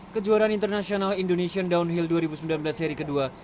kejuaraan internasional indonesian downhill dua ribu sembilan belas seri kedua